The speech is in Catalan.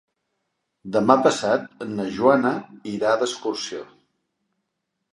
Demà passat na Joana irà d'excursió.